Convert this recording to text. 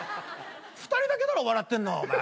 ２人だけだろ笑ってんのお前。